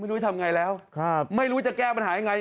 ไม่รู้จะทำไงแล้วไม่รู้จะแก้ปัญหาไง